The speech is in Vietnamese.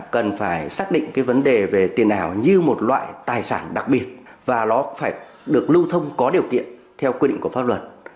cần phải xác định cái vấn đề về tiền ảo như một loại tài sản đặc biệt và nó phải được lưu thông có điều kiện theo quy định của pháp luật